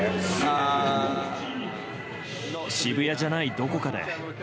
渋谷じゃないどこかで。